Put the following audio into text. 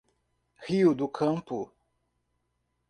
Rio do Campo